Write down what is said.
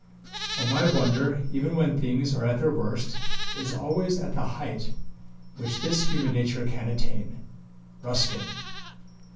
And my wonder, even when things are at their worst, is always at the height which this human nature can attain. RUSKIN.